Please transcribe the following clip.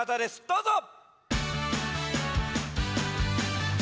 どうぞ！